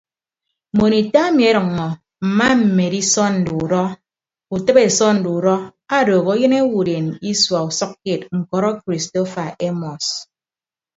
Mbon ita ami edoñño mma mmedi sọnde udọ utịbe sọnde udọ odooho eyịn owodeen isua usʌkkeed ñkọrọ kristofa emọs.